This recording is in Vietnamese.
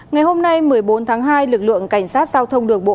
ngày hôm nay một mươi bốn tháng hai lực lượng cảnh sát giao thông đường bộ